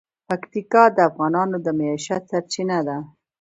پکتیکا د افغانانو د معیشت سرچینه ده.